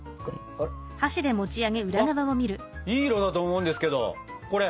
あっいい色だと思うんですけどこれ。